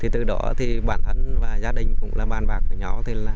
từ đó bản thân và gia đình cũng là bạn bạc của nhỏ